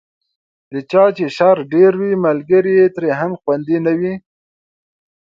د چا چې شر ډېر وي، ملګری یې ترې هم خوندي نه وي.